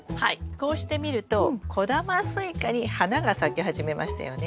こうして見ると小玉スイカに花が咲き始めましたよね。